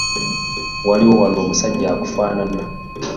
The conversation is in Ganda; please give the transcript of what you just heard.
Waliwo wano omusajja akufaanana!